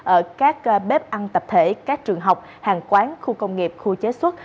ở các bếp ăn tập thể các trường học hàng quán khu công nghiệp khu chế xuất